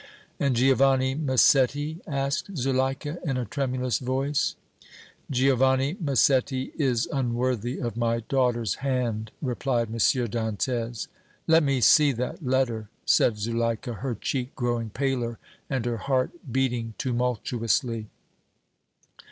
"And Giovanni Massetti?" asked Zuleika, in a tremulous voice. "Giovanni Massetti is unworthy of my daughter's hand!" replied M. Dantès. "Let me see that letter," said Zuleika, her cheek growing paler and her heart beating tumultuously.